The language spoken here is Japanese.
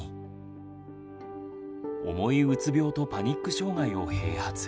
重いうつ病とパニック障害を併発。